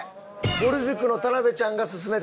ぼる塾の田辺ちゃんが薦めてた？